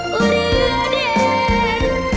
เหลือเดียน